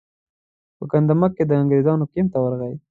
په ګندمک کې د انګریزانو کمپ ته ورغی.